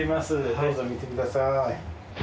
どうぞ見てください。